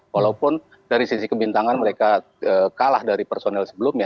walaupun dari sisi kebintangan mereka kalah dari personel sebelumnya